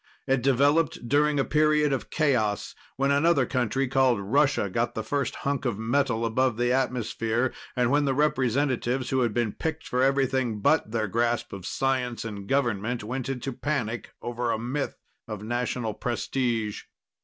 It developed during a period of chaos when another country called Russia got the first hunk of metal above the atmosphere and when the representatives who had been picked for everything but their grasp of science and government went into panic over a myth of national prestige.